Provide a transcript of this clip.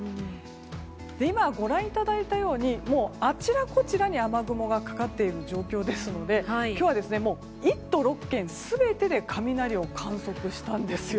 今、ご覧いただいたようにあちらこちらに雨雲がかかっている状況ですので今日は１都６県全てで雷を観測したんですよ。